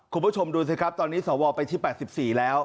คุณผู้ชมดูสิครับตอนนี้สวไปที่๘๔แล้ว